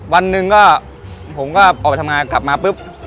วันหนึ่งก็ผมก็ออกไปทำงานกลับมาปุ๊บ